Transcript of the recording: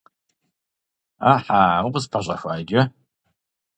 Ӏэхьа, укъыспэщӀэхуа иджы!